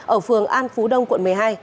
ở phường an phú đông quận một mươi hai